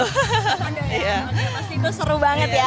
maksudnya itu seru banget ya